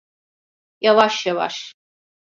Yavaş yavaş.